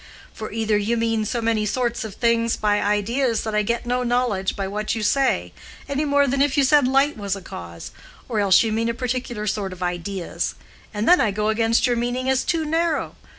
"For either you mean so many sorts of things by ideas that I get no knowledge by what you say, any more than if you said light was a cause; or else you mean a particular sort of ideas, and then I go against your meaning as too narrow.